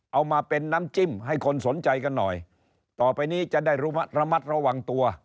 เอามาเป็นน้ำจิ้มให้คนสนใจกันหน่อยต่อไปนี้จะได้ระมัดระวังตัว